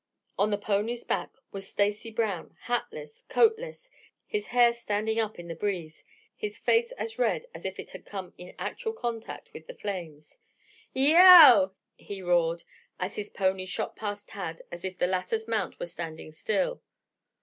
On the pony's back was Stacy Brown, hatless, coatless, his hair standing up in the breeze, his face as red as if it had come in actual contact with the flames. "Yeow!" he roared, as his pony shot past Tad as if the latter's mount were standing still.